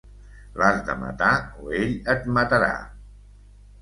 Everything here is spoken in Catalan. L'has de matar o ell et matarà.